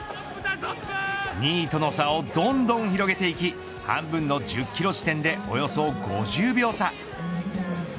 ２位との差をどんどん広げていき半分の１０キロ地点でおよそ５０秒差。